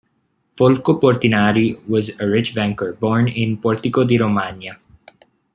Folco Portinari was a rich banker, born in Portico di Romagna.